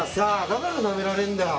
だからナメられるんだよ！